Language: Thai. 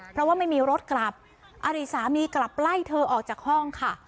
เพราะว่าไม่มีรถกลับอดีตสามีกลับไล่เธอออกจากห้องค่ะ